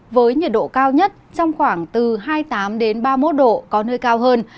với nhiệt độ cao nhất trong khoảng từ hai mươi tám ba mươi một độ có nơi cao hơn